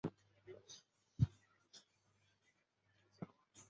我们可以通过运行程序来访问环境变量的值。